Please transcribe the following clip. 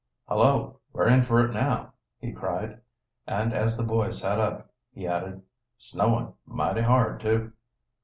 "Hullo, we're in for it now!" he cried, and as the boys sat up, he added: "Snowin' mighty hard, too."